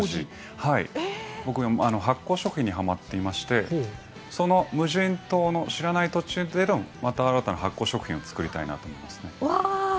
僕、発酵食品にはまっていましてその無人島の知らない土地でも新たな発酵食品を作りたいなと思います。